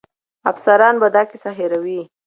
افسران به دا کیسه هېروي.